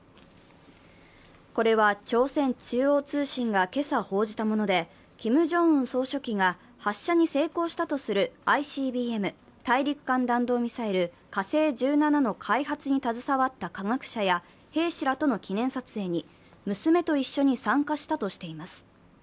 これは朝鮮中央通信が今朝報じたもので、キム・ジョンウン総書記が発射に成功したとするＩＣＢＭ＝大陸間弾道ミサイル、火星１７の開発に携わった科学者兵士らとの記念撮影に、娘と一緒に参加したといいます。